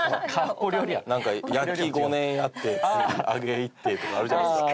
なんか「焼き」５年やって次「揚げ」いってとかあるじゃないですか。